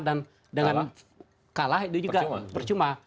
dan dengan kalah itu juga percuma